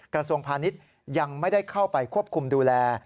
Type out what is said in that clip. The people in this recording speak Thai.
กระทรวงพาณิชย์ยังไม่ได้เข้าไปควบคุมดูแล